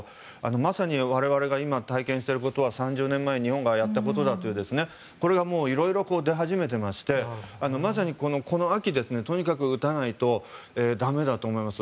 まさに我々が今、体験していることは３０年前に日本がやったことだというこれがもう色々出始めていましてまさにこの秋とにかく打たないと駄目だと思います。